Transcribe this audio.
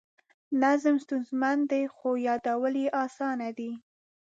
نظم ستونزمن دی خو یادول یې اسان دي.